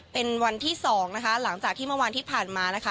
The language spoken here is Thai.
เป็นวันที่๒นะคะหลังจากที่เมื่อวานที่ผ่านมานะคะ